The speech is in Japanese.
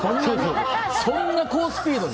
そんな高スピードで？